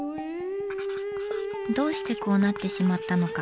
どうしてこうなってしまったのか？